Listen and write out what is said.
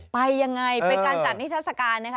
ไปยังไงเป็นการจัดนิชัศการ